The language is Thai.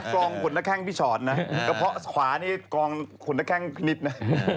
กองขุนแค่งพี่ชอตนะกระเพาะขวานี่กองขุนแค่งนิดนะ